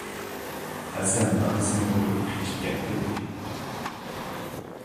ھەسەن دادىسىنى ئۇرۇپ قېچىپ كەتتى دېدى.